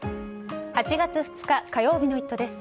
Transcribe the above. ８月２日火曜日の「イット！」です。